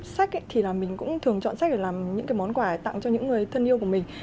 sách thì là mình cũng thường chọn sách để làm những cái món quà tặng cho những người thân yêu của mình